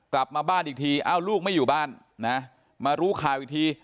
กลับมาบ้านอีกทีเอ้าลูกไม่อยู่บ้านนะมารู้ข่าวอีกที